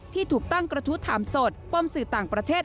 ที่ถูกตั้งกระทู้ถามสดป้อมสื่อต่างประเทศ